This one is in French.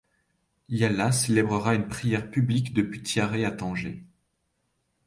Yala célébrera une prière publique depuis Tiaret à Tanger.